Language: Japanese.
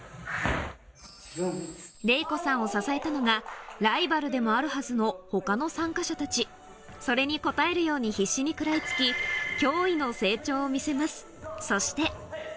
レイコさんを支えたのがライバルでもあるはずの他の参加者たちそれに応えるように必死に食らいつきを見せますそして